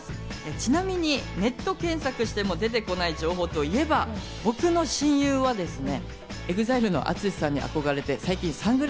ちなみにネット検索しても出てこない情報といえば、僕の親友はＥＸＩＬＥのＡＴＳＵＳＨＩさんに憧れて、最近サング